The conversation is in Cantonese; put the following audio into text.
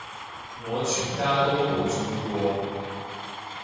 我全家都冇中過